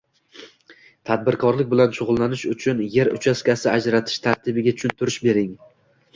Tadbirkorlik bilan shug’ullanish uchun er uchastkasi ajratish tartibiga tushuntirish bering?